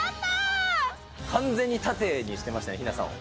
完全に盾にしてましたね、ひなさんを。